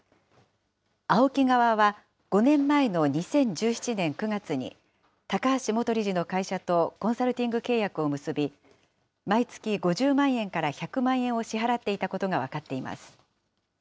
ＡＯＫＩ側は、５年前の２０１７年９月に、高橋元理事の会社とコンサルティング契約を結び、毎月５０万円から１００万円を支払っていたことが分かっています。